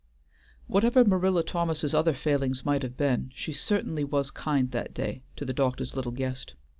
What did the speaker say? Whatever Marilla Thomas's other failings might have been, she certainly was kind that day to the doctor's little guest.